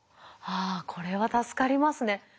ああこれは助かりますね。